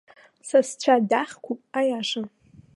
Сасцәа дахьқәоуп, аиаша!